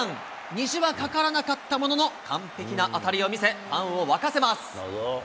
虹はかからなかったものの、完璧な当たりを見せ、ファンを沸かせます。